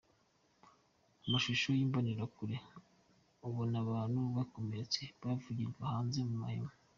Ku mashusho y'imboneshakure ubona abantu bakomeretse bavurigwa hanze mu mahema.